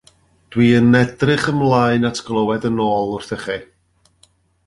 Dwi'n edrych ymlaen at glywed yn ôl wrthych chi.